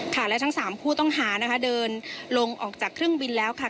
และทั้งสามผู้ต้องหานะคะเดินลงออกจากเครื่องบินแล้วค่ะ